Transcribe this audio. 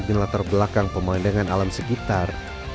dengan latar belakang pemandangan alam sekitar